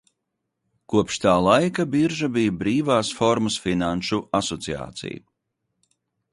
"Kopš tā laika birža bija "brīvas formas" finanšu asociācija."